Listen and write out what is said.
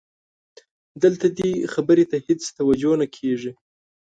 دلته دې خبرې ته هېڅ توجه نه کېږي.